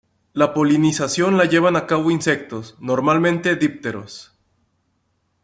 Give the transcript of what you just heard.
La polinización la llevan a cabo insectos, normalmente dípteros.